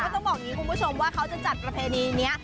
ต้องบอกอย่างนี้คุณผู้ชมว่าเขาจะจัดประเพณีนี้